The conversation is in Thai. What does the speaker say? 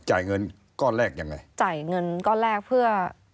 จ่ายเงินก้อนแรกยังไงจ่ายเงินก้อนแรกเพื่อ